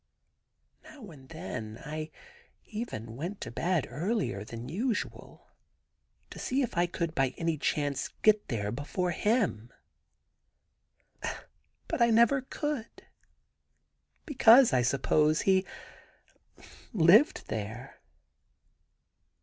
... Now and then I even went to bed earlier than usual, to see if I could by any chance get there before him ; but I never could, because, I suppose, he lived there.